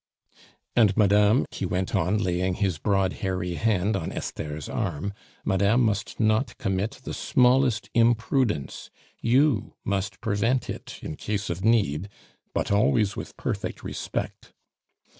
And madame," he went on laying his broad hairy hand on Esther's arm, "madame must not commit the smallest imprudence; you must prevent it in case of need, but always with perfect respect.